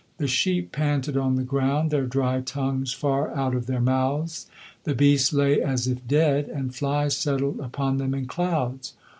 The sheep panted on the ground, their dry tongues far out of their mouths; the beasts lay as if dead, and flies settled upon them in clouds.